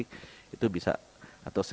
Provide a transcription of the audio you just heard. kita lihat di sini